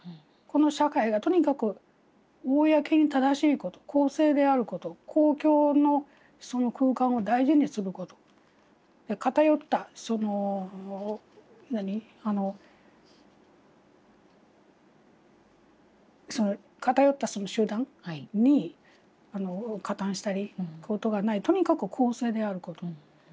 この社会がとにかく公に正しいこと公正であること公共の空間を大事にすること偏ったその偏ったその集団に加担したりすることがないとにかく公正であること。